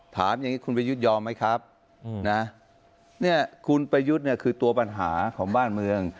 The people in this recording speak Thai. ถามอย่างนี้คุณประยุทธ์ยอมไหมครับนะเนี่ยคุณประยุทธ์เนี่ยคือตัวปัญหาของบ้านเมือง